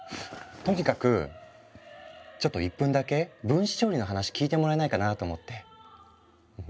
とにかくちょっと１分だけ分子調理の話聞いてもらえないかなと思って。